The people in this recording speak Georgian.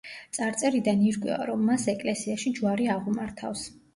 წარწერიდან ირკვევა, რომ მას ეკლესიაში ჯვარი აღუმართავს.